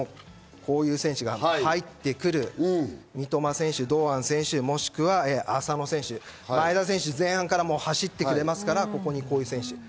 こういう選手が入ってくる三笘選手、堂安選手、もしくは浅野選手、前田選手、前半から走ってくれますから、ここに浅野選手。